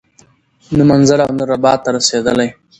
نه منزل او نه رباط ته رسیدلی